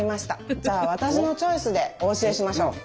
じゃあ私のチョイスでお教えしましょう。